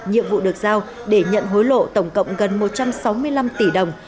nhiệm vụ được giao để nhận hối lộ tổng cộng gần một trăm sáu mươi năm tỷ đồng